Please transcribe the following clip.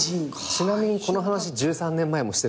ちなみにこの話１３年前もしてる。